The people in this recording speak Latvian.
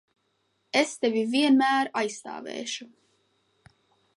Es Tevi vienmēr aizstāvēšu!